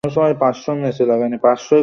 তবে প্রতি শুক্রবারে তার একটাই শিডিউল।